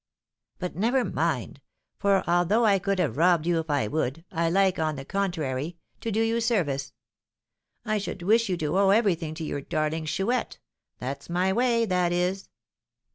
But never mind; for, although I could have robbed you if I would, I like, on the contrary, to do you service. I should wish you to owe everything to your darling Chouette that's my way, that is.